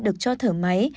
được cho thở máy